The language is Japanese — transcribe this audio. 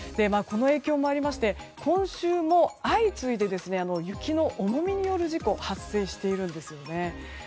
この影響もありまして今週も相次いで雪の重みによる事故が発生しているんですね。